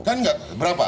kan nggak berapa